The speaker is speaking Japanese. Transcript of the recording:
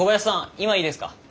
今いいですか？